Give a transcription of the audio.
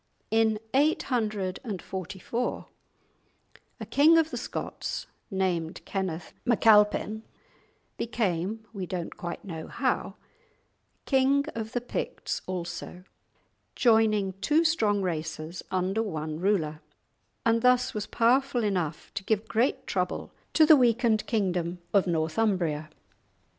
In 844 a king of the Scots, named Kenneth MacAlpin, became (we don't quite know how) king of the Picts also, joining two strong races under one ruler, and thus was powerful enough to give great trouble to the weakened kingdom of Northumbria.